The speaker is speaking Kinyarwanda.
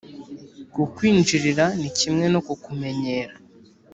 kukwinjirira ni kimwe no kukumenyera